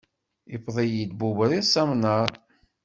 Iwweḍ-iyi-d bubriṭ s amnaṛ.